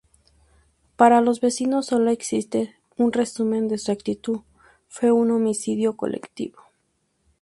Para los vecinos sólo existe un resumen de su actitud: 'fue un homicidio colectivo'.